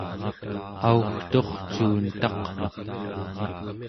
augturcuun taqmak